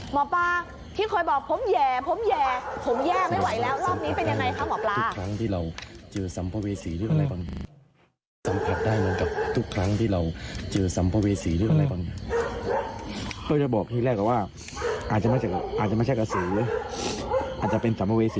หมอปลาหมอปลาที่เคยบอกผมแหย่ผมแหย่